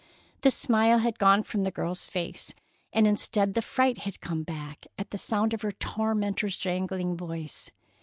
The smile had gone from the girl's face, and instead the fright had come back at sound of her tormentor's jangling voice.